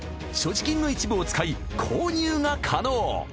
所持金の一部を使い購入が可能